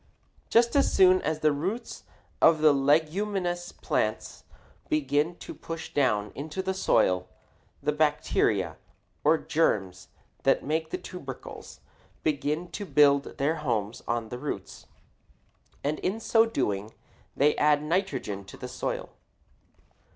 Just as soon as the roots of the leguminous plants begin to push down into the soil, the bacteria, or germs that make the tubercles, begin to build their homes on the roots, and in so doing they add nitrogen to the soil.